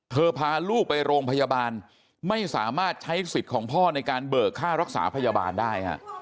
พาลูกไปโรงพยาบาลไม่สามารถใช้สิทธิ์ของพ่อในการเบิกค่ารักษาพยาบาลได้ฮะ